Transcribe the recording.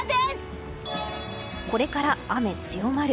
これから雨強まる。